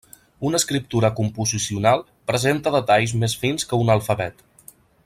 Una escriptura composicional presenta detalls més fins que un alfabet.